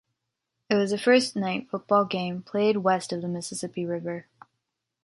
It was the first night football game played west of the Mississippi River.